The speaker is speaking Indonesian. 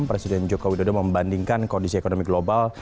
presiden jokowi sudah membandingkan kondisi ekonomi global